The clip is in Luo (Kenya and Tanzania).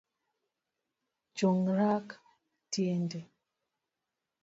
Chungkar tiendi